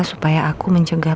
supaya aku mencegah